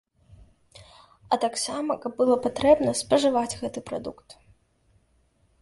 А таксама, каб была патрэба, спажываць гэты прадукт.